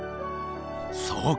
そうか！